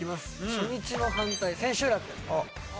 初日の反対千秋楽。